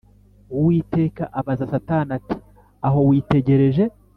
Uwiteka abaza Satani ati “Aho witegereje